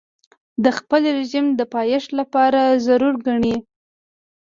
د خپل رژیم د پایښت لپاره ضرور ګڼي.